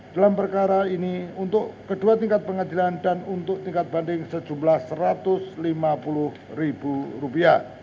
dalam perkara ini untuk kedua tingkat pengadilan dan untuk tingkat banding sejumlah rp satu ratus lima puluh